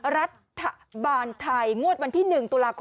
รัฐบาลไทยงวดวันที่หนึ่งตุลาคมนี้